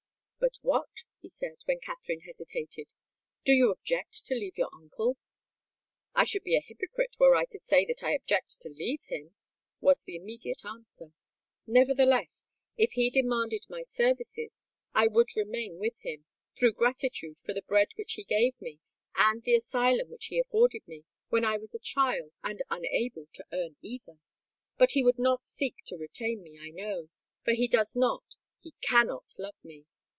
"But what?" he said, when Katherine hesitated. "Do you object to leave your uncle?" "I should be a hypocrite were I to say that I object to leave him," was the immediate answer. "Nevertheless, if he demanded my services, I would remain with him, through gratitude for the bread which he gave me, and the asylum which he afforded me, when I was a child and unable to earn either. But he would not seek to retain me, I know; for he does not—he cannot love me!